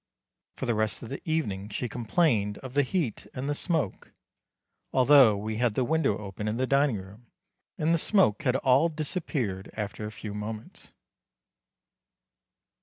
For the rest of the evening she complained of the heat and the smoke, although we had the window open in the dining room and the smoke had all disappeared after a few moments.